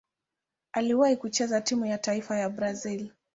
Aliwahi kucheza timu ya taifa ya Brazil.